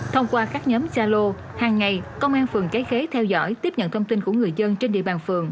thông qua các nhóm gia lô hàng ngày công an phường cái khế theo dõi tiếp nhận thông tin của người dân trên địa bàn phường